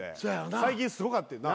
最近すごかってんな。